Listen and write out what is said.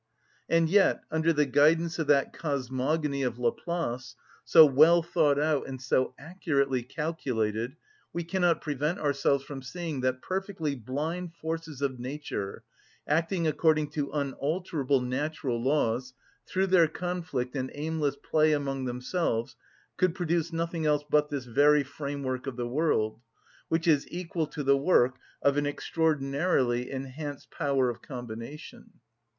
And yet, under the guidance of that cosmogony of Laplace, so well thought out and so accurately calculated, we cannot prevent ourselves from seeing that perfectly blind forces of nature, acting according to unalterable natural laws, through their conflict and aimless play among themselves, could produce nothing else but this very framework of the world, which is equal to the work of an extraordinarily enhanced power of combination.